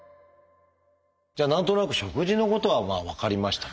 じゃあ何となく食事のことは分かりましたと。